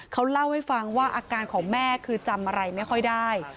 เขาเล่าให้ฟังว่าอาการของแม่คือจำอะไรไม่ค่อยได้